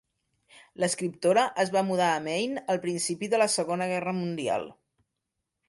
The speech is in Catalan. L'escriptora es va mudar a Maine a principi de la Segona Guerra Mundial.